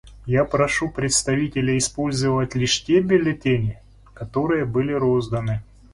Я прошу представителей использовать лишь те бюллетени, которые были розданы.